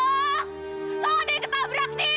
tolong nih ketabrak nih